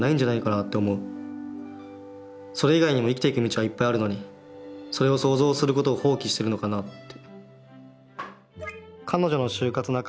それ以外にも生きていく道はいっぱいあるのにそれを想像することを放棄してるのかなって。